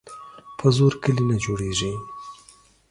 په زور کلي نه جوړیږي.